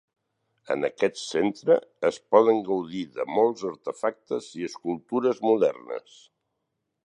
En aquest centre es poden gaudir de molts artefactes i escultures modernes.